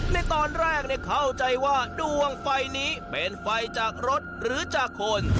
ในตอนแรกเข้าใจว่าดวงไฟนี้เป็นไฟจากรถหรือจากคน